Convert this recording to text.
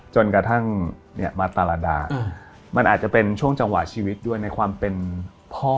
จนกระทั่งมาตรดามันอาจจะเป็นช่วงจังหวะชีวิตด้วยในความเป็นพ่อ